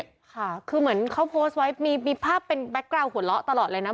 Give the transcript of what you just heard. ค่ะคือเหมือนเขาโพสต์ไว้มีภาพเป็นแก๊กกราวหัวเราะตลอดเลยนะ